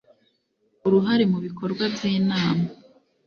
uruhare mu bikorwa by Inama